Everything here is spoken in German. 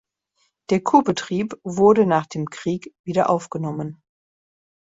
Der Kurbetrieb wurde nach dem Krieg wieder aufgenommen.